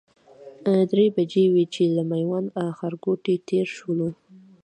درې بجې وې چې له میوند ښارګوټي تېر شولو.